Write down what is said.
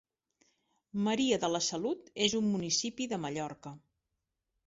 Maria de la Salut és un municipi de Mallorca.